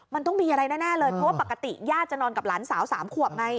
มันต้องมีอะไรแน่เลยเพราะว่าปกติญาติจะนอนกับหลานสาว๓ขวบไง